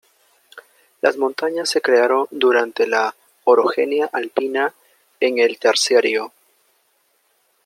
Las montañas se crearon durante la Orogenia alpina en el Terciario.